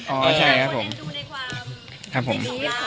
โอ้ใช่ครับผม